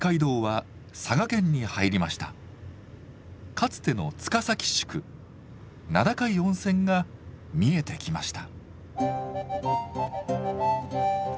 かつての塚崎宿名高い温泉が見えてきました。